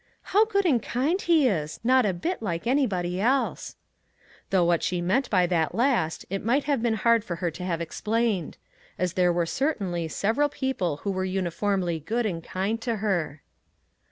" How good and kind he is! not a bit like anybody else." Though what she meant by that last it might have been hard for her to have explained, as there were certainly several people who were uniformly good and kind to her.